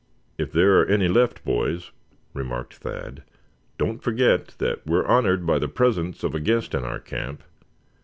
"If there are any left, boys," remarked Thad, "don't forget that we are honored by the presence of a guest in our camp.